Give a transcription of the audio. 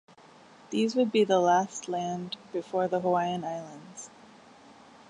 These would be the last land before the Hawaiian Islands.